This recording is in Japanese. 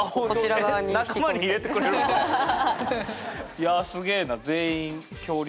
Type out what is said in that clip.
いやすげえな全員恐竜。